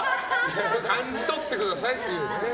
感じ取ってくださいという。